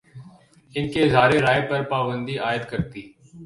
ان کے اظہارِ رائے پر پابندی عائدکرتی